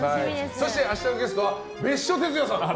そして明日のゲストは別所哲也さん。